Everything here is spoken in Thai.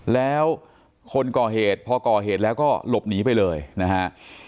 แล้วคนก่อเหตุพอก่อเหตุแล้วก็หลบหนีไปเลยนะฮะ